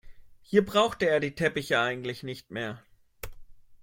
Hier brauchte er die Teppiche eigentlich nicht mehr.